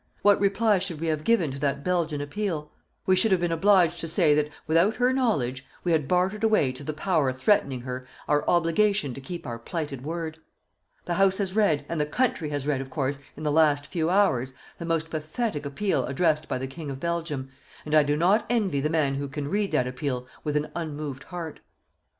What reply should we have given to that Belgian appeal? We should have been obliged to say that without her knowledge we had bartered away to the Power threatening her our obligation to keep our plighted word. The House has read, and the country has read, of course, in the last few hours, the most pathetic appeal addressed by the King of Belgium, and I do not envy the man who can read that appeal with an unmoved heart.